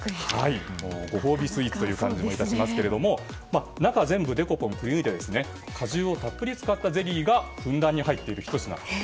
ご褒美スイーツという感じがしますが中は全部デコポンという意味では果汁をたっぷり使ったゼリーがふんだんに入っているひと品。